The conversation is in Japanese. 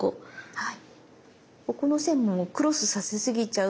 はい。